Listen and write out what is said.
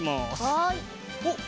はい。